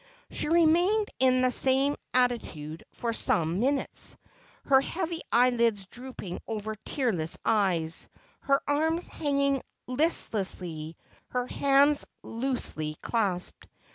She remained in the same attitude for some minutes, her heavy eyelids drooping over tearless eyes, her arms hanging list lessly, her hands loosely clasped.